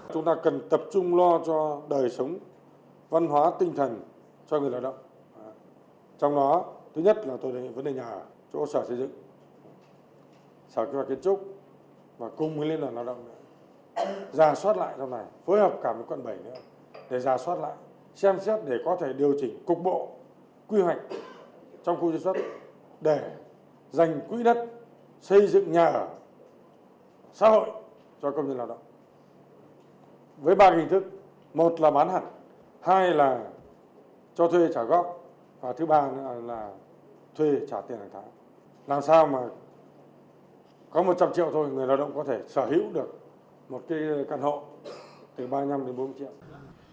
tân thuận ban quản lý khu chế xuất hiệu quả đề xuất hiệu quả đề xuất hiệu quả đề xuất hiệu quả đề xuất hiệu quả đề xuất hiệu quả đề xuất hiệu quả đề xuất hiệu quả đề xuất hiệu quả đề xuất hiệu quả đề xuất hiệu quả đề xuất hiệu quả đề xuất hiệu quả đề xuất hiệu quả đề xuất hiệu quả đề xuất hiệu quả đề xuất hiệu quả đề xuất hiệu quả đề xuất hiệu quả đề xuất hiệu quả đề xuất hiệu quả đề xuất hiệu quả đề xuất hiệu quả đ